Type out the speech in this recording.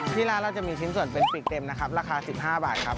ที่ร้านเราจะมีชิ้นส่วนเป็นปีกเต็มนะครับราคา๑๕บาทครับ